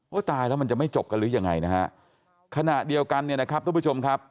ตายแล้วมันจะไม่จบกันหรือยังไงนะฮะขณะเดียวกันเนี่ยนะครับทุกผู้ชมครับ